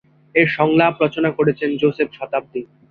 এর সংলাপ রচনা করেছেন যোসেফ শতাব্দী।